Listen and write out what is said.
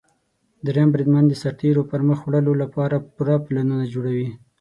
دریم بریدمن د سرتیرو د پرمخ وړلو لپاره پوره پلانونه جوړوي.